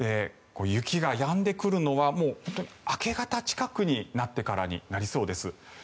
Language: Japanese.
雪がやんでくるのは明け方近くになってからになりそうです。